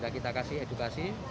kita kasih edukasi